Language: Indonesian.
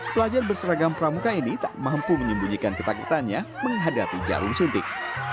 pelajar berseragam pramuka ini tak mampu menyembunyikan ketakutannya menghadapi jarum suntik